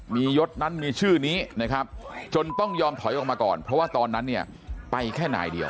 มียศนั้นมีชื่อนี้นะครับจนต้องยอมถอยออกมาก่อนเพราะว่าตอนนั้นเนี่ยไปแค่นายเดียว